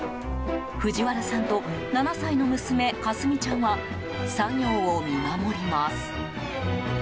藤原さんと７歳の娘・香純ちゃんは作業を見守ります。